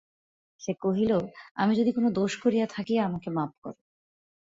সে কহিল, আমি যদি কোনো দোষ করিয়া থাকি, আমাকে মাপ করো।